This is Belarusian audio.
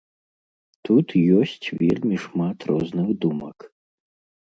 Тут ёсць вельмі шмат розных думак.